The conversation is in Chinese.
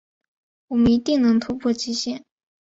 我们一定能突破极限